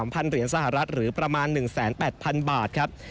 พันเหรียญสหรัฐหรือประมาณ๑๘๐๐๐บาทครับ